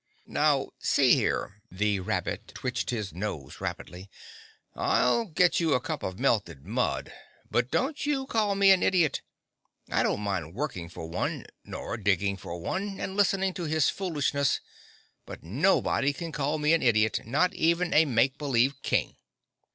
"Now, see here," the rabbit twitched his nose rapidly, "I'll get you a cup of melted mud, but don't you call me an idiot. I don't mind working for one, nor digging for one and listening to his foolishness, but nobody can call me an idiot—not even a make believe King!"